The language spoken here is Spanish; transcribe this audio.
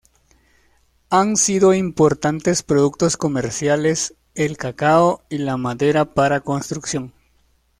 Han sido importantes productos comerciales el cacao y la madera para construcción.